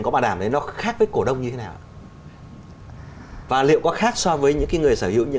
có bảo đảm đấy nó khác với cổ đông như thế nào ạ và liệu có khác so với những người sở hữu những